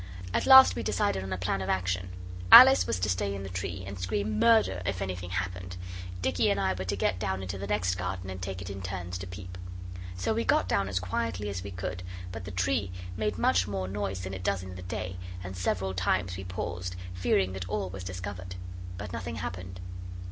At last we decided on a plan of action. Alice was to stay in the tree, and scream 'Murder!' if anything happened. Dicky and I were to get down into the next garden and take it in turns to peep. So we got down as quietly as we could, but the tree made much more noise than it does in the day, and several times we paused, fearing that all was discovered. But nothing happened.